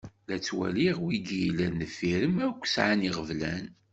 La tettwaliḍ wigi yellan ddeffir-m akk sɛan iɣeblan.